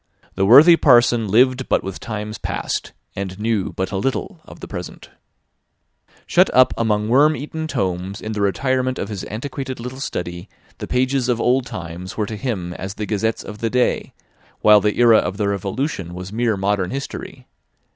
* The worthy parson lived but with times past, and knew but a little of the present. * See Note C. Shut up among worm eaten tomes in the retirement of his antiquated little study, the pages of old times were to him as the gazettes of the day; while the era of the Revolution was mere modern history.